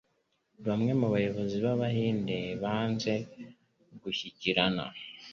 Bamwe mu bayobozi b'Abahinde banze gushyikirana.